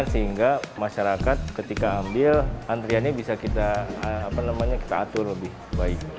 sehingga masyarakat ketika ambil antriannya bisa kita atur lebih baik